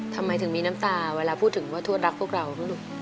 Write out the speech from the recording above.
ทำไมถึงมีน้ำตาเวลาพูดถึงว่าทวดรักพวกเราลูก